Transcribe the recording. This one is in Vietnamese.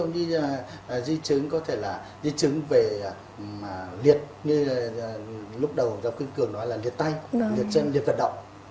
ví dụ như di chứng về liệt lúc đầu phương cường nói là liệt tay liệt vật động